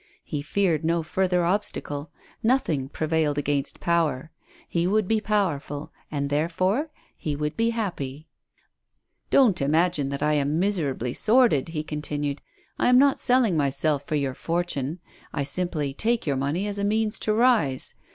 He feared no further obstacle ; nothing prevailed against power. lie would be powerful, and therefore he would be happy. " Don't imagine that I am miserably sordid," he con tinued. am not selling myself for your fortune ; I simply take your money as a means to rise.